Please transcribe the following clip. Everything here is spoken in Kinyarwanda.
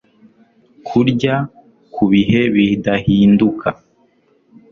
Kurya ku bihe bidahinduka